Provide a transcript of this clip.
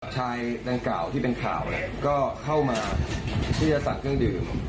ดังกล่าวที่เป็นข่าวเนี่ยก็เข้ามาเพื่อจะสั่งเครื่องดื่ม